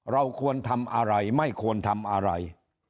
เราควรทำอะไรไม่ควรทำอะไร